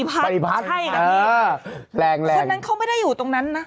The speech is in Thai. เพราะฉะนั้นเขาไม่ได้อยู่ตรงนั้นนะ